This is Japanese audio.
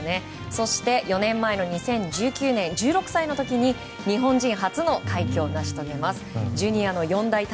そして、４年前の２０１９年１６歳の時に日本人初の快挙を成し遂げます。